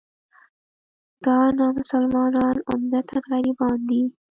دا نامسلمانان عمدتاً غربیان دي.